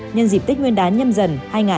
nhân dịp tích nguyên đán nhâm dần